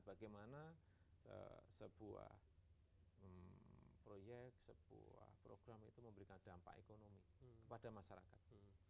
bagaimana sebuah proyek sebuah program itu memberikan dampak ekonomi kepada masyarakat